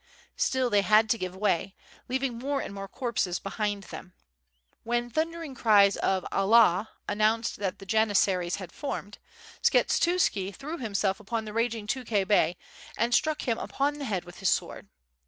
Still they had to give way, leaving more and more corpses behind them. When thundering cries of "Allah!" announced that the Janissaries had formed, Skshetuski threw himself upon the raging Tukhay Bey and struck him upon the head with his sword.